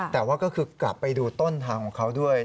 แต่ว่าก็คือกลับไปดูต้นทางของเขาด้วย